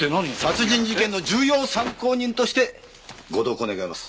殺人事件の重要参考人としてご同行願います。